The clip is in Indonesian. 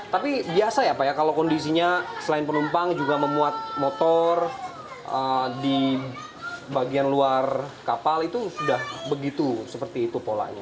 tapi biasa ya pak ya kalau kondisinya selain penumpang juga memuat motor di bagian luar kapal itu sudah begitu seperti itu polanya